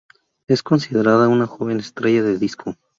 Es considerada una joven estrella de disco.